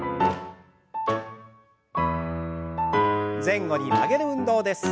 前後に曲げる運動です。